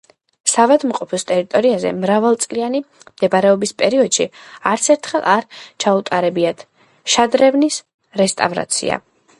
საავადმყოფოს ტერიტორიაზე მრავალწლიანი მდებარეობის პერიოდში არცერთხელ არ ჩაუტარებიათ შადრევნის რესტავრაცია.